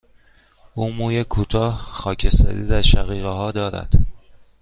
او موی کوتاه، خاکستری در شقیقه ها دارد.